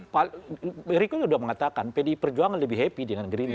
pak riko sudah mengatakan pdi perjuangan lebih happy dengan gerindra